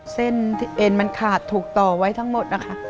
เส้นที่เอ็นมันขาดถูกต่อไว้ทั้งหมดนะคะ